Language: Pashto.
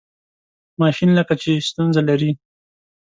ماشین لکه چې ستونزه لري.